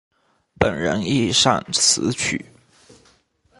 本人亦擅词曲。